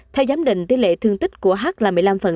theo giám định tỷ lệ thương tích của h là một mươi năm